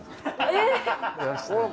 えっ！